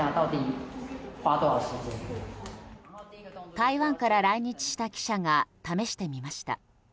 台湾から来日した記者が試してみました。